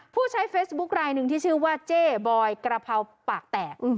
ผู้ใช้เฟซบุ๊คลายหนึ่งที่ชื่อว่าเจ๊บอยกระเพราปากแตก